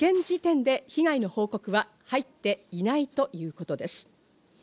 現時点で被害の報告は入っていないということです。